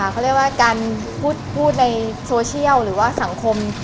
เขาเรียกว่าการพูดในโซเชียลหรือว่าสังคม